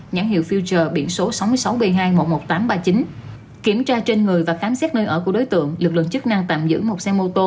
nhãn hiệu futer biển số sáu mươi sáu b hai một mươi một nghìn tám trăm ba mươi chín kiểm tra trên người và khám xét nơi ở của đối tượng lực lượng chức năng tạm giữ một xe mô tô